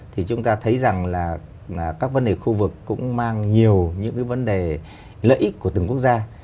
thì chúng ta thấy rằng là các vấn đề khu vực cũng mang nhiều những cái vấn đề lợi ích của từng quốc gia